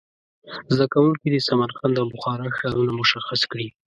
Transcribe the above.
زده کوونکي دې سمرقند او بخارا ښارونه مشخص کړي.